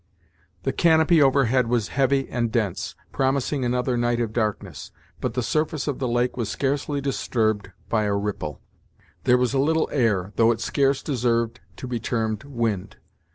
The canopy overhead was heavy and dense, promising another night of darkness, but the surface of the lake was scarcely disturbed by a ripple. There was a little air, though it scarce deserved to be termed wind.